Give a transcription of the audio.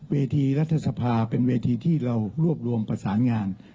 เวทีรัฐสภาเป็นเวทีที่เรารวบรวมประสานงาน